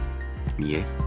見え？